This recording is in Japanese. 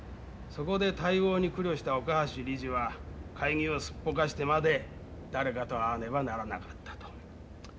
そこで対応に苦慮した岡橋理事は会議をすっぽかしてまで誰かと会わねばならなかったと。